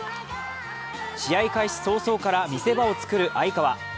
試合開始早々から見せ場を作る愛川。